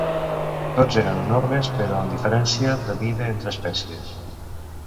Tots eren enormes però amb diferència de mida entre espècies.